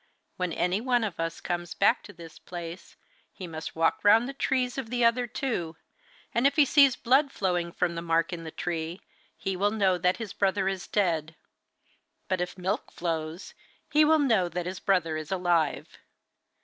When any one of us comes back to this place, he must walk round the trees of the other two, and if he sees blood flowing from the mark in the tree he will know that that brother is dead, but if milk flows he will know that his brother is alive.